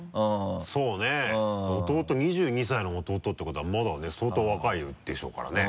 そうね２２歳の弟っていうことはまだね相当若いでしょうからね。